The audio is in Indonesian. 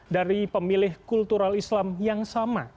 dari pemilih kultural islam yang sama